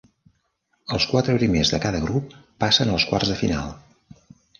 Els quatre primers de cada grup passen als quarts de final.